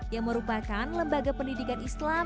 yang merupakan lembaga pendidikan islam